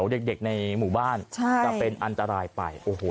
เด็กในหมู่บ้านใช่จะเป็นอันตรายไปโอ้โห